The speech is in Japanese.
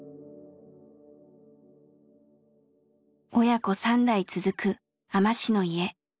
親子３代続く海士の家。